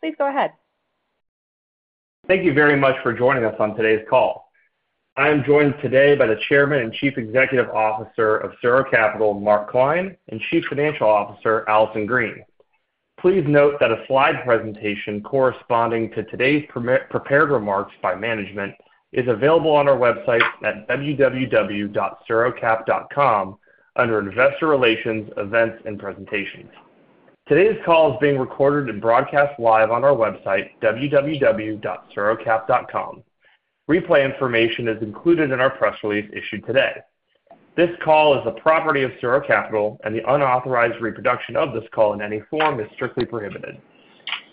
Please go ahead. Thank you very much for joining us on today's call. I am joined today by the Chairman and Chief Executive Officer of SuRo Capital, Mark Klein, and Chief Financial Officer, Allison Green. Please note that a slide presentation corresponding to today's prepared remarks by management is available on our website at www.surocap.com under Investor Relations, Events, and Presentations. Today's call is being recorded and broadcast live on our website, www.surocap.com. Replay information is included in our press release issued today. This call is the property of SuRo Capital, and the unauthorized reproduction of this call in any form is strictly prohibited.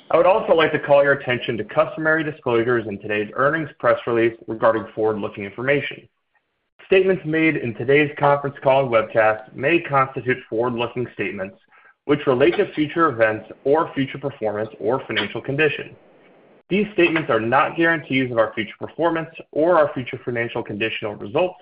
I would also like to call your attention to customary disclosures in today's earnings press release regarding forward-looking information. Statements made in today's conference call and webcast may constitute forward-looking statements which relate to future events or future performance or financial conditions. These statements are not guarantees of our future performance or our future financial condition or results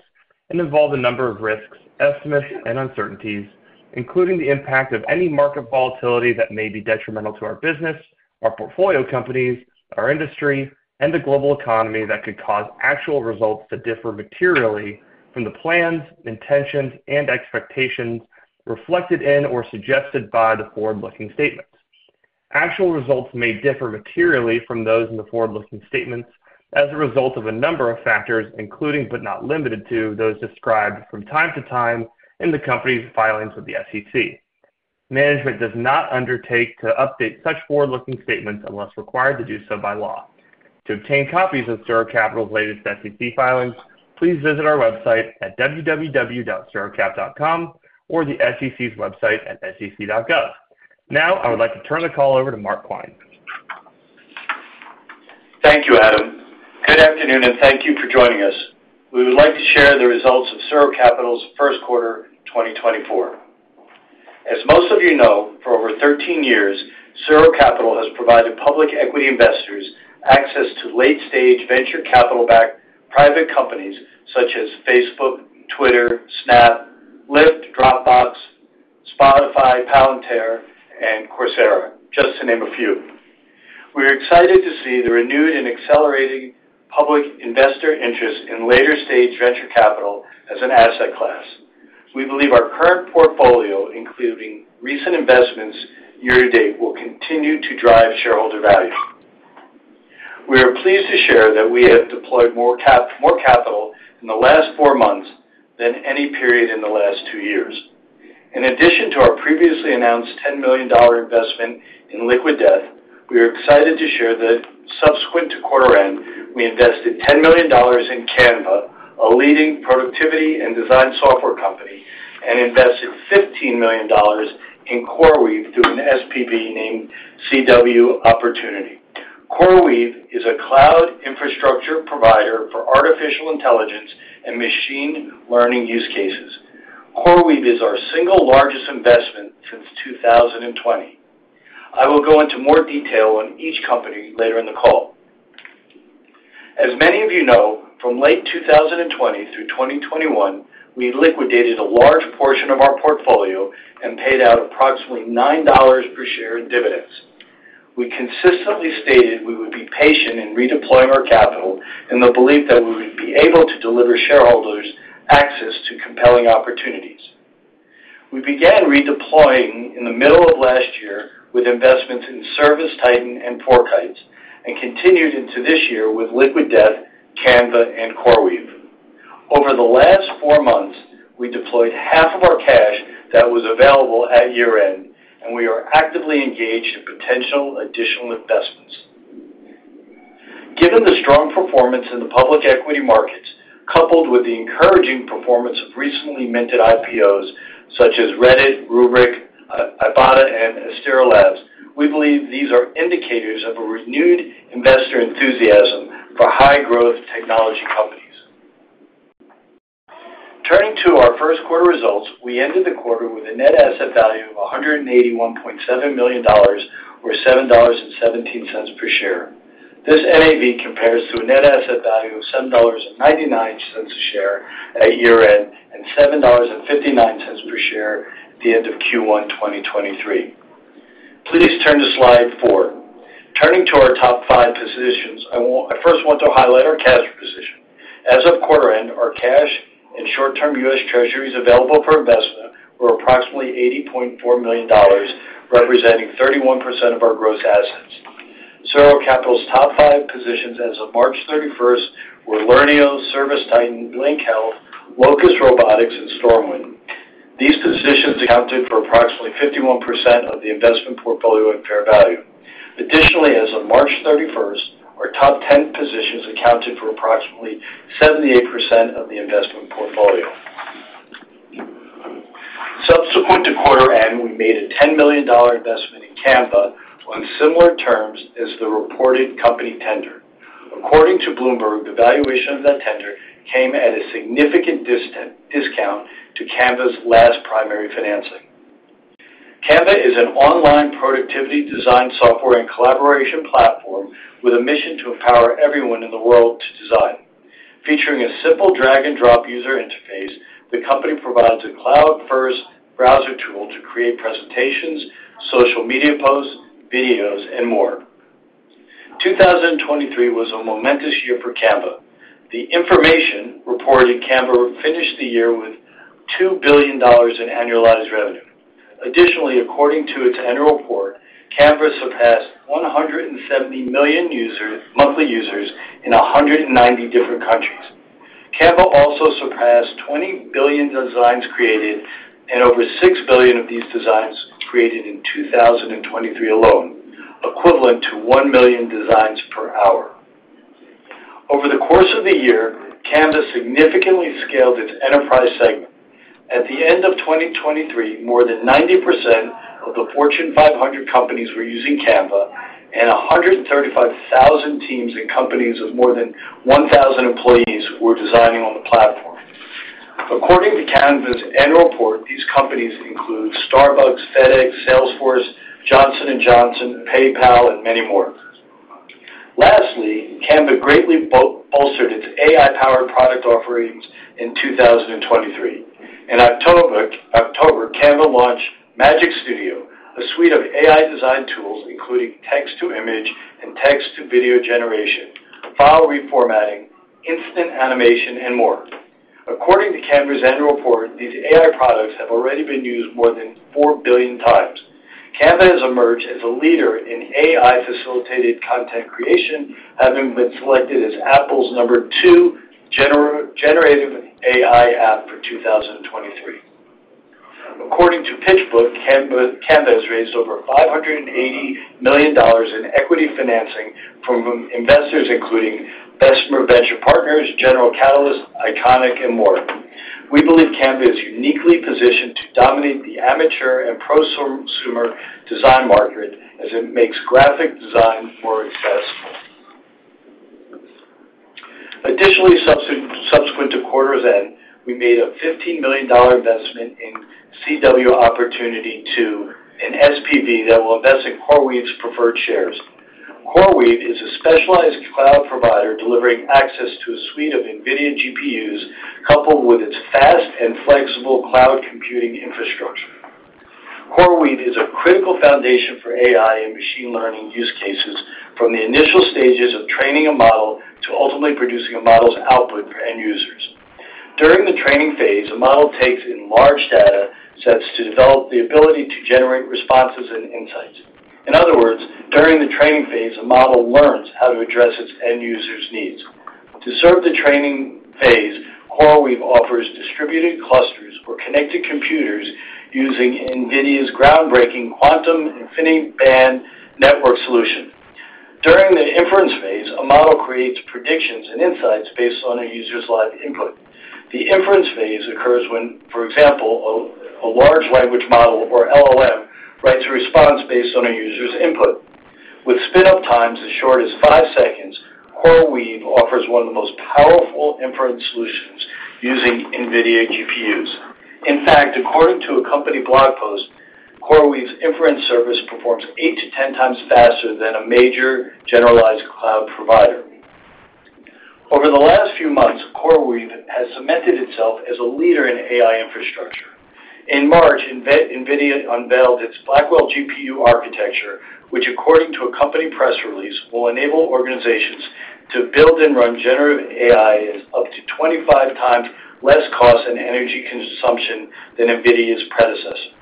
and involve a number of risks, estimates, and uncertainties, including the impact of any market volatility that may be detrimental to our business, our portfolio companies, our industry, and the global economy that could cause actual results to differ materially from the plans, intentions, and expectations reflected in or suggested by the forward-looking statements. Actual results may differ materially from those in the forward-looking statements as a result of a number of factors, including but not limited to those described from time to time in the company's filings with the SEC. Management does not undertake to update such forward-looking statements unless required to do so by law. To obtain copies of SuRo Capital's latest SEC filings, please visit our website at www.surocap.com or the SEC's website at sec.gov. Now I would like to turn the call over to Mark Klein. Thank you, Adam. Good afternoon, and thank you for joining us. We would like to share the results of SuRo Capital's first quarter 2024. As most of you know, for over 13 years, SuRo Capital has provided public equity investors access to late-stage venture capital-backed private companies such as Facebook, Twitter, Snap, Lyft, Dropbox, Spotify, Palantir, and Coursera, just to name a few. We are excited to see the renewed and accelerating public investor interest in later-stage venture capital as an asset class. We believe our current portfolio, including recent investments year to date, will continue to drive shareholder value. We are pleased to share that we have deployed more capital in the last 4 months than any period in the last two years. In addition to our previously announced $10 million investment in Liquid Death, we are excited to share that subsequent to quarter end, we invested $10 million in Canva, a leading productivity and design software company, and invested $15 million in CoreWeave through an SPV named CW Opportunity. CoreWeave is a cloud infrastructure provider for artificial intelligence and machine learning use cases. CoreWeave is our single largest investment since 2020. I will go into more detail on each company later in the call. As many of you know, from late 2020 through 2021, we liquidated a large portion of our portfolio and paid out approximately $9 per share in dividends. We consistently stated we would be patient in redeploying our capital in the belief that we would be able to deliver shareholders access to compelling opportunities. We began redeploying in the middle of last year with investments in ServiceTitan and FourKites and continued into this year with Liquid Death, Canva, and CoreWeave. Over the last four months, we deployed half of our cash that was available at year end, and we are actively engaged in potential additional investments. Given the strong performance in the public equity markets, coupled with the encouraging performance of recently minted IPOs such as Reddit, Rubrik, Ibotta, and Astera Labs, we believe these are indicators of a renewed investor enthusiasm for high-growth technology companies. Turning to our first quarter results, we ended the quarter with a net asset value of $181.7 million or $7.17 per share. This NAV compares to a net asset value of $7.99 a share at year end and $7.59 per share at the end of Q1 2023. Please turn to slide four. Turning to our top five positions, I first want to highlight our cash position. As of quarter end, our cash and short-term U.S. Treasuries available for investment were approximately $80.4 million, representing 31% of our gross assets. SuRo Capital's top five positions as of March 31st were Learneo, ServiceTitan, Blink Health, Locus Robotics, and StormWind. These positions accounted for approximately 51% of the investment portfolio at fair value. Additionally, as of March 31st, our top 10 positions accounted for approximately 78% of the investment portfolio. Subsequent to quarter end, we made a $10 million investment in Canva on similar terms as the reported company tender. According to Bloomberg, the valuation of that tender came at a significant discount to Canva's last primary financing. Canva is an online productivity design software and collaboration platform with a mission to empower everyone in the world to design. Featuring a simple drag-and-drop user interface, the company provides a cloud-first browser tool to create presentations, social media posts, videos, and more. 2023 was a momentous year for Canva. The Information reported Canva finished the year with $2 billion in annualized revenue. Additionally, according to its annual report, Canva surpassed 170 million monthly users in 190 different countries. Canva also surpassed 20 billion designs created and over six billion of these designs created in 2023 alone, equivalent to one million designs per hour. Over the course of the year, Canva significantly scaled its enterprise segment. At the end of 2023, more than 90% of the Fortune 500 companies were using Canva, and 135,000 teams and companies of more than 1,000 employees were designing on the platform. According to Canva's annual report, these companies include Starbucks, FedEx, Salesforce, Johnson & Johnson, PayPal, and many more. Lastly, Canva greatly bolstered its AI-powered product offerings in 2023. In October, Canva launched Magic Studio, a suite of AI design tools including text-to-image and text-to-video generation, file reformatting, instant animation, and more. According to Canva's annual report, these AI products have already been used more than 4 billion times. Canva has emerged as a leader in AI-facilitated content creation, having been selected as Apple's number two generative AI app for 2023. According to PitchBook, Canva has raised over $580 million in equity financing from investors including Bessemer Venture Partners, General Catalyst, ICONIQ Capital, and more. We believe Canva is uniquely positioned to dominate the amateur and prosumer design market as it makes graphic design more accessible. Additionally, subsequent to quarter's end, we made a $15 million investment in CW Opportunity II, an SPV that will invest in CoreWeave's preferred shares. CoreWeave is a specialized cloud provider delivering access to a suite of NVIDIA GPUs coupled with its fast and flexible cloud computing infrastructure. CoreWeave is a critical foundation for AI and machine learning use cases, from the initial stages of training a model to ultimately producing a model's output for end users. During the training phase, a model takes in large data sets to develop the ability to generate responses and insights. In other words, during the training phase, a model learns how to address its end users' needs. To serve the training phase, CoreWeave offers distributed clusters for connected computers using NVIDIA's groundbreaking Quantum InfiniBand network solution. During the inference phase, a model creates predictions and insights based on a user's live input. The inference phase occurs when, for example, a large language model or LLM writes a response based on a user's input. With spin-up times as short as five seconds, CoreWeave offers one of the most powerful inference solutions using NVIDIA GPUs. In fact, according to a company blog post, CoreWeave's inference service performs eight to 10 times faster than a major generalized cloud provider. Over the last few months, CoreWeave has cemented itself as a leader in AI infrastructure. In March, NVIDIA unveiled its Blackwell GPU architecture, which, according to a company press release, will enable organizations to build and run generative AI at up to 25 times less cost and energy consumption than NVIDIA's predecessor.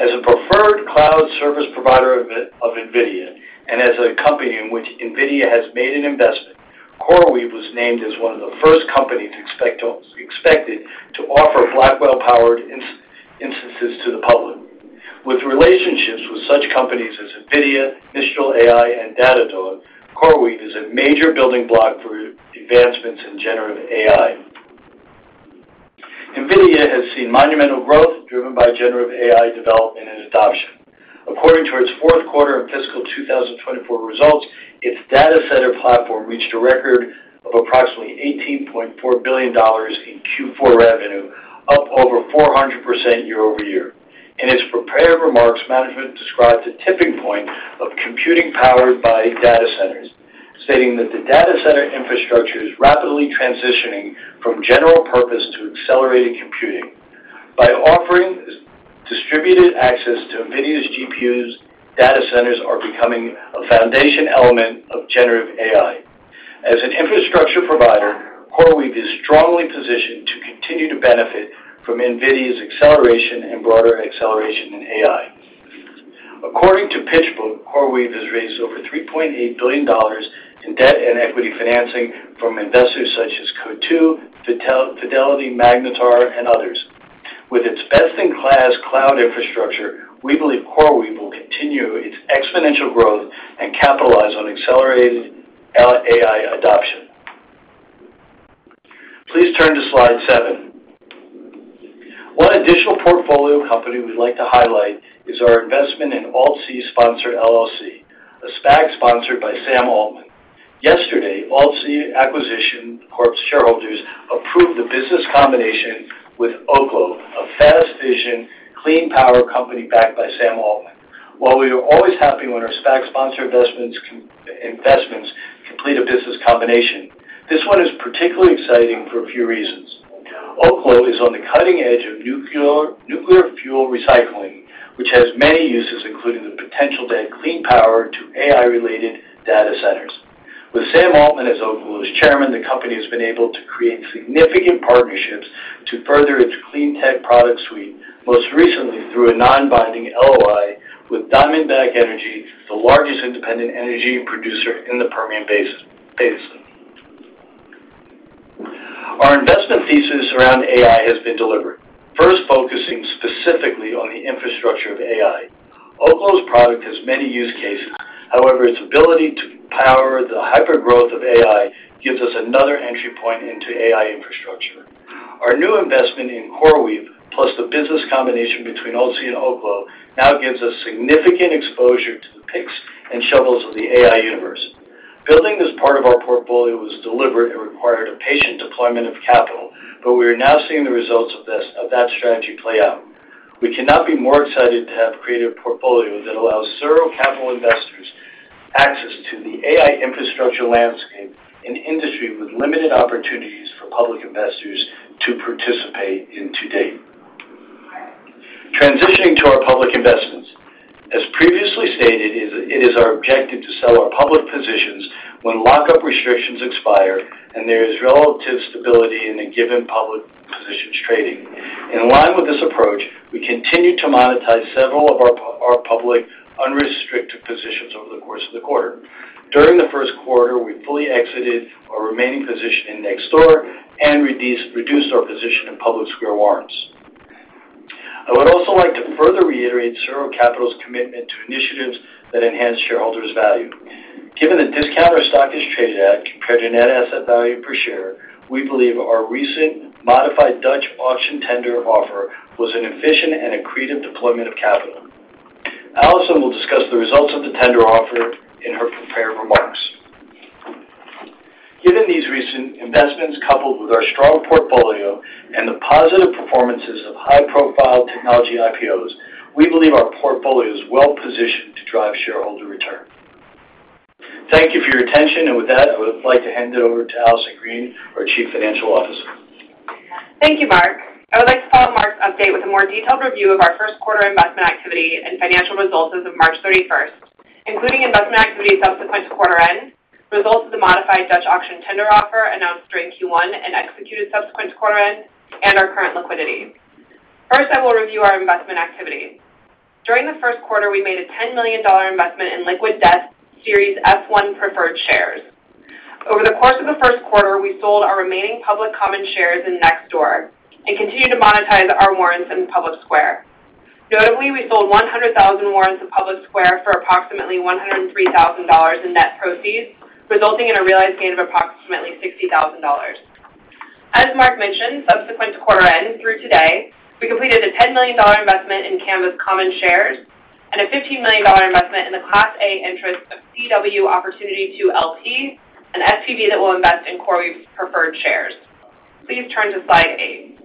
As a preferred cloud service provider of NVIDIA and as a company in which NVIDIA has made an investment, CoreWeave was named as one of the first companies expected to offer Blackwell-powered instances to the public. With relationships with such companies as NVIDIA, Mistral AI, and Datadog, CoreWeave is a major building block for advancements in generative AI. NVIDIA has seen monumental growth driven by generative AI development and adoption. According to its fourth quarter of fiscal 2024 results, its data center platform reached a record of approximately $18.4 billion in Q4 revenue, up over 400% year-over-year. In its prepared remarks, management described a tipping point of computing powered by data centers, stating that the data center infrastructure is rapidly transitioning from general purpose to accelerated computing. By offering distributed access to NVIDIA's GPUs, data centers are becoming a foundation element of generative AI. As an infrastructure provider, CoreWeave is strongly positioned to continue to benefit from NVIDIA's acceleration and broader acceleration in AI. According to PitchBook, CoreWeave has raised over $3.8 billion in debt and equity financing from investors such as Coatue, Fidelity, Magnetar, and others. With its best-in-class cloud infrastructure, we believe CoreWeave will continue its exponential growth and capitalize on accelerated AI adoption. Please turn to slide seven. One additional portfolio company we'd like to highlight is our investment in AltC Sponsor LLC, a SPAC sponsored by Sam Altman. Yesterday, AltC Acquisition Corp's shareholders approved the business combination with Oklo, a fast fission, clean power company backed by Sam Altman. While we are always happy when our SPAC sponsored investments complete a business combination, this one is particularly exciting for a few reasons. Oklo is on the cutting edge of nuclear fuel recycling, which has many uses, including the potential to add clean power to AI-related data centers. With Sam Altman as Oklo's chairman, the company has been able to create significant partnerships to further its clean tech product suite, most recently through a non-binding LOI with Diamondback Energy, the largest independent energy producer in the Permian Basin. Our investment thesis around AI has been delivered, first focusing specifically on the infrastructure of AI. Oklo's product has many use cases. However, its ability to power the hyper-growth of AI gives us another entry point into AI infrastructure. Our new investment in CoreWeave, plus the business combination between AltC and Oklo, now gives us significant exposure to the picks and shovels of the AI universe. Building this part of our portfolio was delivered and required a patient deployment of capital, but we are now seeing the results of that strategy play out. We cannot be more excited to have a creative portfolio that allows SuRo Capital investors access to the AI infrastructure landscape, an industry with limited opportunities for public investors to participate in today. Transitioning to our public investments, as previously stated, it is our objective to sell our public positions when lockup restrictions expire and there is relative stability in the given public positions trading. In line with this approach, we continue to monetize several of our public unrestricted positions over the course of the quarter. During the first quarter, we fully exited our remaining position in Nextdoor and reduced our position in PublicSquare warrants. I would also like to further reiterate SuRo Capital's commitment to initiatives that enhance shareholders' value. Given the discount our stock is traded at compared to net asset value per share, we believe our recent modified Dutch auction tender offer was an efficient and accretive deployment of capital. Allison will discuss the results of the tender offer in her prepared remarks. Given these recent investments coupled with our strong portfolio and the positive performances of high-profile technology IPOs, we believe our portfolio is well positioned to drive shareholder return. Thank you for your attention. With that, I would like to hand it over to Allison Green, our Chief Financial Officer. Thank you, Mark. I would like to follow Mark's update with a more detailed review of our first quarter investment activity and financial results as of March 31st, including investment activity subsequent to quarter end, results of the modified Dutch auction tender offer announced during Q1 and executed subsequent to quarter end, and our current liquidity. First, I will review our investment activity. During the first quarter, we made a $10 million investment in Liquid Death Series F-1 preferred shares. Over the course of the first quarter, we sold our remaining public common shares in Nextdoor and continued to monetize our warrants in PublicSquare. Notably, we sold 100,000 warrants of PublicSquare for approximately $103,000 in net proceeds, resulting in a realized gain of approximately $60,000. As Mark mentioned, subsequent to quarter end through today, we completed a $10 million investment in Canva's common shares and a $15 million investment in the Class A interest of CW Opportunity II LP, an SPV that will invest in CoreWeave's preferred shares. Please turn to slide eight.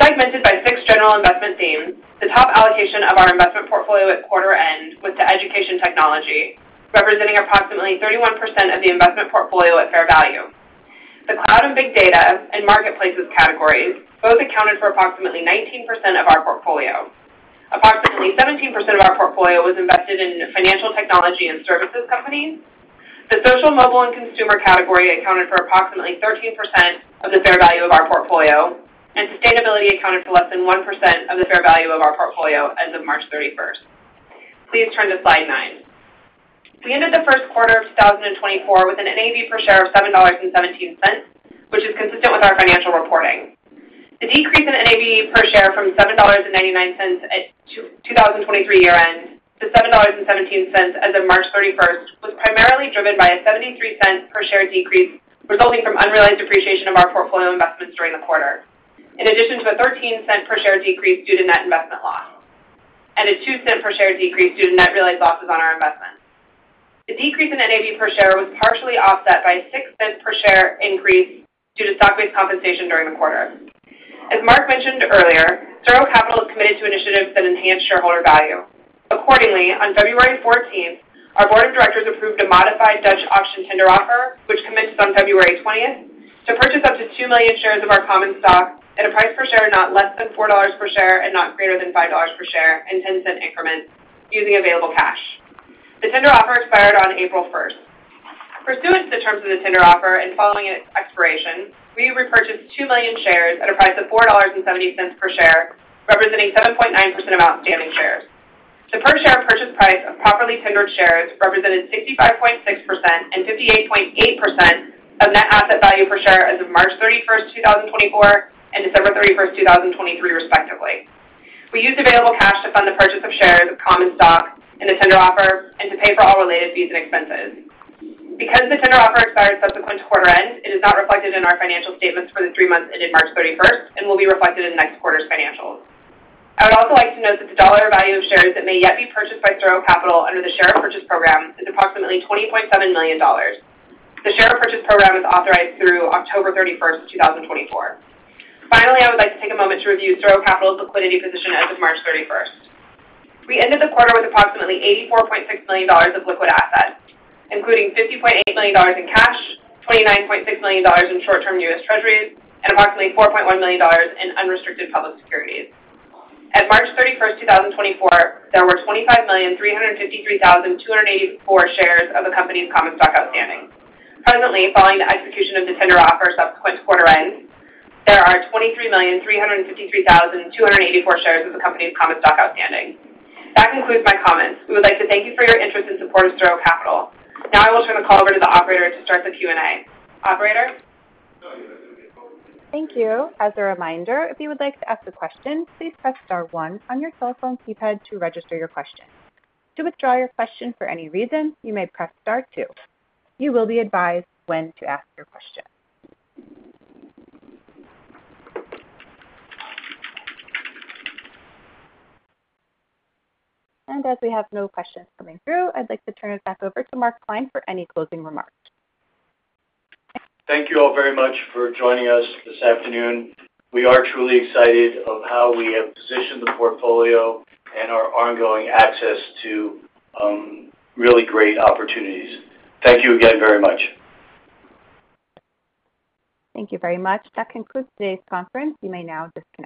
Segmented by six general investment themes, the top allocation of our investment portfolio at quarter end was to education technology, representing approximately 31% of the investment portfolio at fair value. The cloud and big data and marketplaces categories both accounted for approximately 19% of our portfolio. Approximately 17% of our portfolio was invested in financial technology and services companies. The social mobile and consumer category accounted for approximately 13% of the fair value of our portfolio, and sustainability accounted for less than 1% of the fair value of our portfolio end of March 31st. Please turn to slide nine. We ended the first quarter of 2024 with an NAV per share of $7.17, which is consistent with our financial reporting. The decrease in NAV per share from $7.99 at 2023 year end to $7.17 as of March 31st was primarily driven by a $0.73 per share decrease, resulting from unrealized depreciation of our portfolio investments during the quarter, in addition to the $0.13 per share decrease due to net investment loss and a $0.02 per share decrease due to net realized losses on our investments. The decrease in NAV per share was partially offset by a $0.06 per share increase due to stock-based compensation during the quarter. As Mark mentioned earlier, SuRo Capital is committed to initiatives that enhance shareholder value. Accordingly, on February 14th, our board of directors approved a modified Dutch auction tender offer, which commits on February 20th to purchase up to 2 million shares of our common stock at a price per share not less than $4 per share and not greater than $5 per share in $0.10 increments using available cash. The tender offer expired on April 1st. Pursuant to the terms of the tender offer and following its expiration, we repurchased two million shares at a price of $4.70 per share, representing 7.9% of outstanding shares. The per share purchase price of properly tendered shares represented 65.6% and 58.8% of net asset value per share as of March 31st, 2024, and December 31st, 2023, respectively. We used available cash to fund the purchase of shares of common stock in the tender offer and to pay for all related fees and expenses. Because the tender offer expired subsequent to quarter end, it is not reflected in our financial statements for the three months ended March 31st and will be reflected in next quarter's financials. I would also like to note that the dollar value of shares that may yet be purchased by SuRo Capital under the share repurchase program is approximately $20.7 million. The share repurchase program is authorized through October 31st, 2024. Finally, I would like to take a moment to review SuRo Capital's liquidity position end of March 31st. We ended the quarter with approximately $84.6 million of liquid assets, including $50.8 million in cash, $29.6 million in short-term U.S. Treasuries, and approximately $4.1 million in unrestricted public securities. At March 31st, 2024, there were 25,353,284 shares of the company's common stock outstanding. Presently, following the execution of the tender offer subsequent to quarter end, there are 23,353,284 shares of the company's common stock outstanding. That concludes my comments. We would like to thank you for your interest and support of SuRo Capital. Now I will turn the call over to the operator to start the Q&A. Operator. Thank you. As a reminder, if you would like to ask a question, please press star one on your cell phone keypad to register your question. To withdraw your question for any reason, you may press star two. You will be advised when to ask your question. As we have no questions coming through, I'd like to turn it back over to Mark Klein for any closing remarks. Thank you all very much for joining us this afternoon. We are truly excited about how we have positioned the portfolio and our ongoing access to really great opportunities. Thank you again very much. Thank you very much. That concludes today's conference. You may now disconnect.